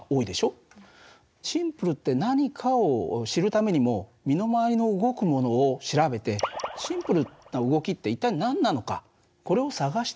シンプルって何かを知るためにも身の回りの動くものを調べてシンプルな動きって一体何なのかこれを探してみたらどうかな？